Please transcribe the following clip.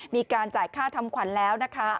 มีการจ่ายค่าทำขวัญแล้วนะคะ